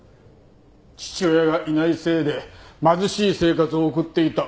父親がいないせいで貧しい生活を送っていた奥田彩